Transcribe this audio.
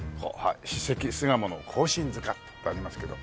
「史跡巣鴨の庚申塚」とありますけど。